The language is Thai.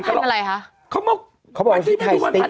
มันชื่อพันธุ์อะไรคะ